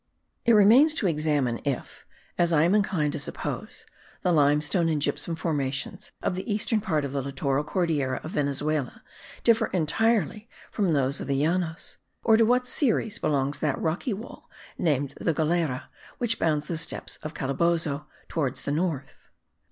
It remains to examine if (as I am inclined to suppose) the limestone and gypsum formations of the eastern part of the littoral Cordillera of Venezuela differ entirely from those of the Llanos, and to what series belongs that rocky wall* named the Galera, which bounds the steppes of Calabozo towards the north?